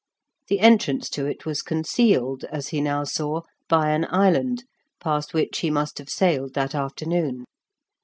The entrance to it was concealed, as he now saw, by an island, past which he must have sailed that afternoon.